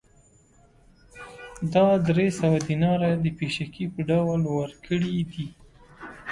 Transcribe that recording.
دا درې سوه دیناره د پېشکي په ډول ورکړي دي